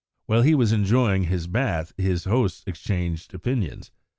While he was enjoying his bath, his hosts exchanged opinions.